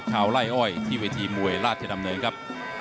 ไล่อ้อยที่เวทีมวยราชดำเนินครับ